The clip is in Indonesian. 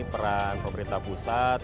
peran pemerintah pusat